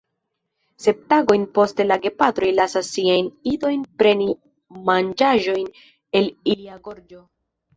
Sep tagojn poste la gepatroj lasas siajn idojn preni manĝaĵon el ilia gorĝo.